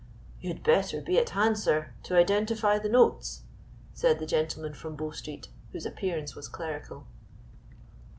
"You had better be at hand, sir, to identify the notes," said the gentleman from Bow Street, whose appearance was clerical.